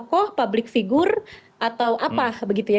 dalam kerangka toko public figure atau apa begitu ya